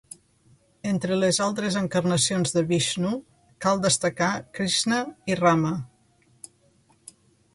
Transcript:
Entre les altres encarnacions de Vixnu cal destacar Krixna i Rama.